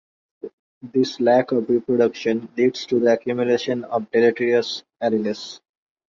This lack of reproduction leads to the accumulation of deleterious alleles.